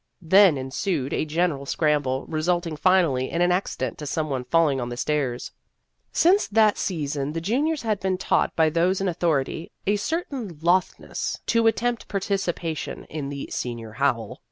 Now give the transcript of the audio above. Then ensued a general scramble, resulting finally in an accident to some one falling on the stairs. Since that sea son the juniors had been taught by those in authority a certain lothness to attempt participation in the " Senior Howl."